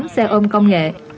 tám xe ôm công nghệ